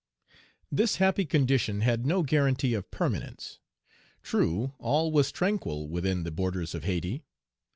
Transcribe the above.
THIS happy condition had no guarantee of permanence. True, all was tranquil within the borders of Hayti.